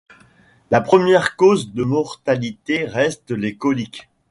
La première cause de mortalité reste les coliques.